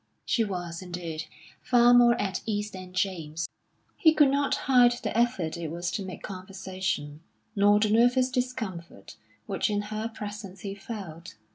She was, indeed, far more at ease than James. He could not hide the effort it was to make conversation, nor the nervous discomfort which in her presence he felt.